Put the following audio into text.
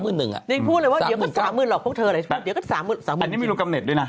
พูดเลยว่าเดี๋ยวก็๓๐๐๐๐บาทหรอกพวกเธออะไรแต่เดี๋ยวก็๓๐๐๐๐บาทอันนี้มีรูปกรรมเน็ตด้วยนะ